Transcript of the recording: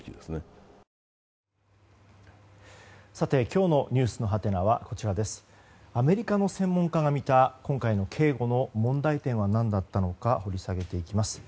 今日のｎｅｗｓのハテナはアメリカの専門家が見た今回の警護の問題点は何だったのか掘り下げていきます。